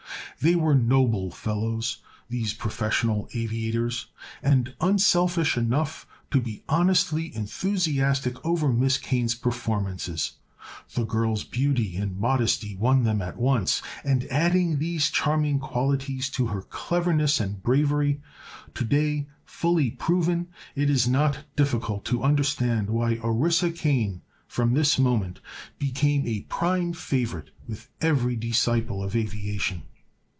They were noble fellows, these professional aviators, and unselfish enough to be honestly enthusiastic over Miss Kane's performances. The girl's beauty and modesty won them at once, and adding these charming qualities to her cleverness and bravery, to day fully proven, it is not difficult to understand why Orissa Kane from this moment became a prime favorite with every disciple of aviation.